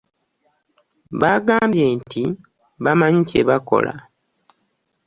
Bagambye nti bamanyi kye bakola.